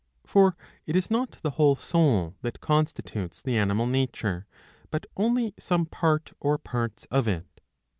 For it is not the whole soul that constitutes the animal nature, but only some part or parts of it.